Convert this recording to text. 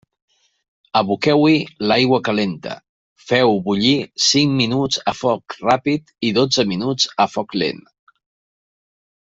Aboqueu-hi l'aigua calenta, feu-ho bullir cinc minuts a foc ràpid i dotze minuts a foc lent.